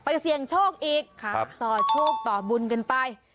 เสี่ยงโชคอีกต่อโชคต่อบุญกันไป